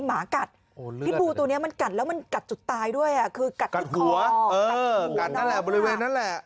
หมากัดโอ้เลือดตัวเนี้ยมันกัดแล้วมันกัดจุดตายด้วยอ่ะคือกัดหัวเออกัดนั่นแหละบริเวณนั้นแหละ